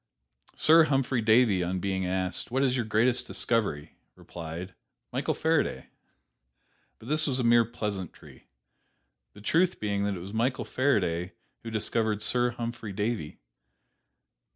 Sir Humphry Davy on being asked, "What is your greatest discovery?" replied, "Michael Faraday." But this was a mere pleasantry, the truth being that it was Michael Faraday who discovered Sir Humphry Davy.